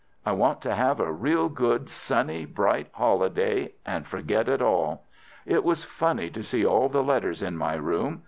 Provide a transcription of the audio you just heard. I want to have a real good sunny, bright holiday and forget it all. It was funny to see all the letters in my room.